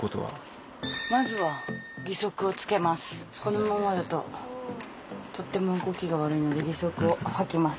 このままだととても動きが悪いので義足を履きます。